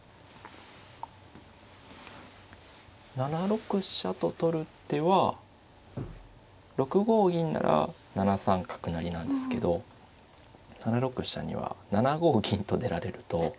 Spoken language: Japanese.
７六飛車と取る手は６五銀なら７三なんですけど７六飛車には７五銀と出られると。